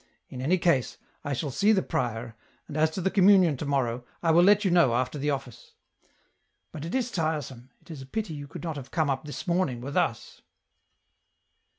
In any case I shall see the prior, and as to the communion to morrow, I will let you know, after the office. But it is tiresome ; it is a pity you could not have come up this morning, with us."